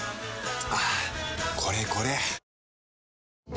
はぁこれこれ！